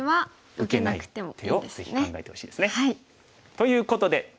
受けない手をぜひ考えてほしいですね。ということで。